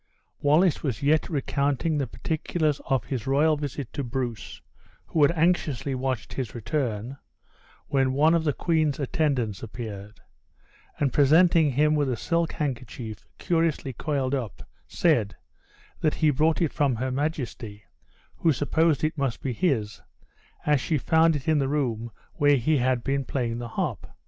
Wallace was yet recounting the particulars of his royal visit to Bruce (who had anxiously watched his return), when one of the queen's attendants appeared; and presenting him with a silk handkerchief curiously coiled up, said, that he brought it from her majesty; who supposed it must be his, as she found it in the room where he had been playing the harp.